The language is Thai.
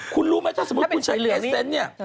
คุณรู้ไหมถ้าสมมุติคุณใช้เลสเซนต์เนี่ย